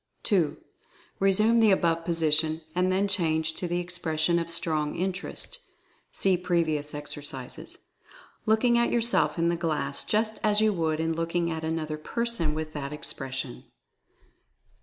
2. Resume the above position, and then change to the expression of Strong Interest (see previous exer cises), looking at yourself in the glass just as you would in looking at another person with that ex pression.